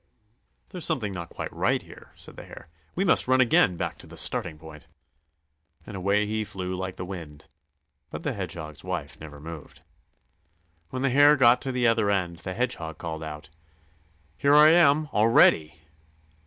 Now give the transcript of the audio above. "There's something not quite right here," said the Hare. "We must run again back to the starting point." And away he flew like the wind. But the Hedgehog's wife never moved. When the Hare got to the other end, the Hedgehog called out: "Here I am already!"